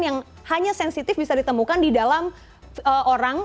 yang hanya sensitif bisa ditemukan di dalam orang